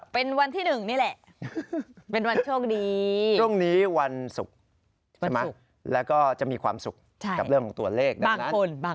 เป็นวันที่๑นี่แหละ